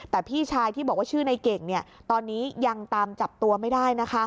แต่พี่ชายที่บอกว่าชื่อในเก่งตอนนี้ยังตามจับตัวไม่ได้